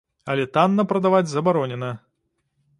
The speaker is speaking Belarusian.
Але танна прадаваць забаронена.